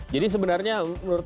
jadi sebenarnya menurut